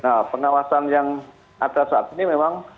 nah pengawasan yang ada saat ini memang